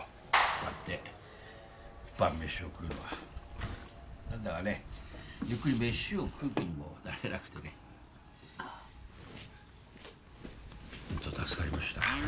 こうやって晩飯を食うのは何だかねゆっくり飯を食う気にもなれなくてねホント助かりました